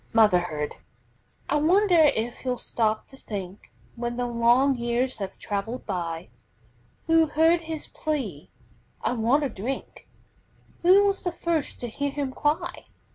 MOTHERHOOD I wonder if he'll stop to think, When the long years have traveled by, Who heard his plea: "I want a drink!" Who was the first to hear him cry?